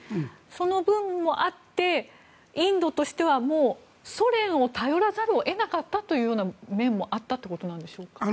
その分もあってインドとしてはもうソ連に頼らざるを得なかったという面もあったということでしょうか。